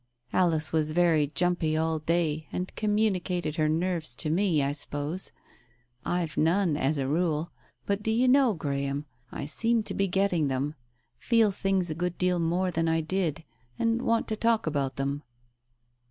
Alice was very jumpy all day, and communicated her nerves to me, I suppose. I've none as a rule, but do you know, Graham, I seem to be getting them — feel things a good deal more than I did, and want to talk about them."